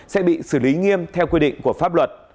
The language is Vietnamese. sẽ bị xử lý nghiêm theo quy định của pháp luật